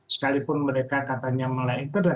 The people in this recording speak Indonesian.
sekalipun mereka katanya melayang internet